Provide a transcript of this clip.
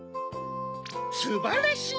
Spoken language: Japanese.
すばらしい！